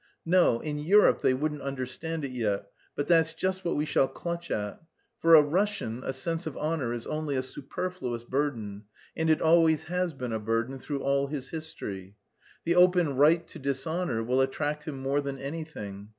No, in Europe they wouldn't understand it yet, but that's just what we shall clutch at. For a Russian a sense of honour is only a superfluous burden, and it always has been a burden through all his history. The open 'right to dishonour' will attract him more than anything.